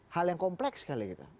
hal yang kompleks kali ya gitu